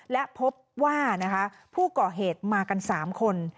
และพบว่าผู้ก่อเหตุมากัน๓คน